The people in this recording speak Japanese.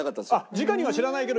じかには知らないけど。